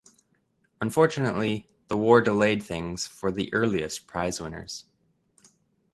Unfortunately the war delayed things for the earliest prizewinners.